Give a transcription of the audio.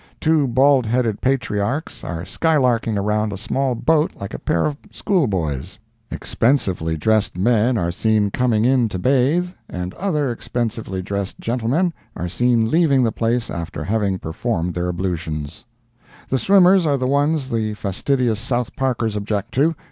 Two bald headed patriarchs are skylarking around a small boat like a pair of schoolboys. Expensively dressed men are seen coming in to bathe, and other expensively dressed gentlemen are seen leaving the place after having performed their ablutions. The swimmers are the ones the fastidious South Parkers object to.